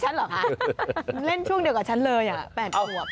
เช่นช่วงเดียวกับฉันเลยแปดควบ